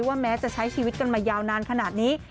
แม้จะใช้ชีวิตกันมายาวนานขนาดนี้